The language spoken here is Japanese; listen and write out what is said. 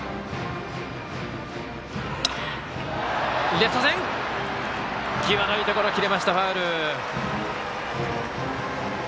レフト線、際どいところ切れました、ファウル。